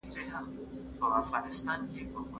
او له ذکر و فکره